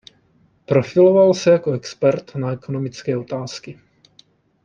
Profiloval se jako expert na ekonomické otázky.